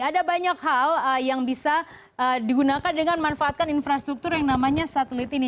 ada banyak hal yang bisa digunakan dengan manfaatkan infrastruktur yang namanya satelit ini